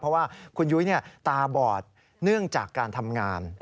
เพราะว่าคุณยุ้ยตาบอดเนื่องจากการทำงาน